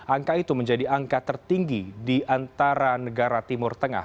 angka itu menjadi angka tertinggi di antara negara timur tengah